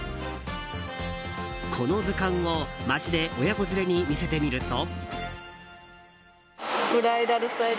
この図鑑を街で親子連れに見せてみると。